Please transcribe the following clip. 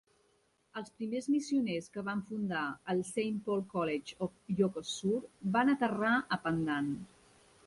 Els primers missioners que van fundar el Saint Paul College of Ilocos Sur van aterrar a Pandan.